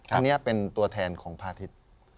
อันนี้เป็นตัวแทนของพาทิศ